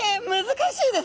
難しいです。